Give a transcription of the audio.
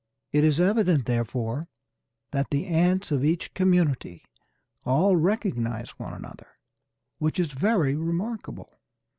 It is evident therefore that the ants of each community all recognize one another, which is very remarkable.